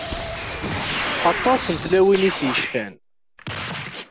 Aṭas n tlawin i s-yecfan.